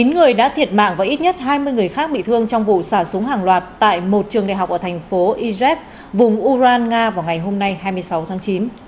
chín người đã thiệt mạng và ít nhất hai mươi người khác bị thương trong vụ xả súng hàng loạt tại một trường đại học ở thành phố iz vùng uran nga vào ngày hôm nay hai mươi sáu tháng chín